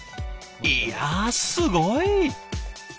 いやすごい！